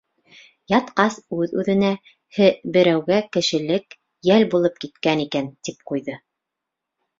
Ятҡас, үҙ-үҙенә, һе, берәүгә кешелек йәл булып киткән икән, тип ҡуйҙы.